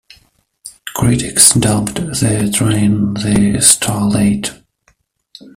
Critics dubbed the train the "Star-late".